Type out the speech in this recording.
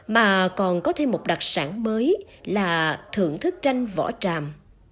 mà còn có thêm một đặc sản mới là thưởng thức tranh vỏ tràm